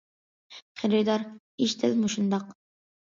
خېرىدار: ئىش دەل مۇشۇنداق.